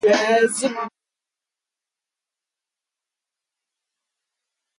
The United States Army Corps of Engineers maintains a navigation channel in the waterway.